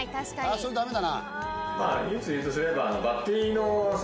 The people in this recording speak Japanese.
それダメだな。